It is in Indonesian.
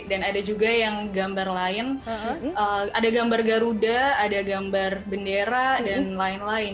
dan ada juga yang gambar lain ada gambar garuda ada gambar bendera dan lain lain